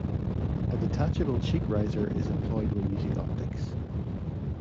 A detachable cheek riser is employed when using optics.